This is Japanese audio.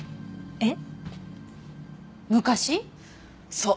えっ？